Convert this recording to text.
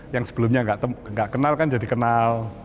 yang sebelumnya nggak kenal kan jadi kenal